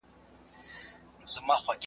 د دیني مسایلو ژوره پلټنه ذهني پوښتنې ځوابوي.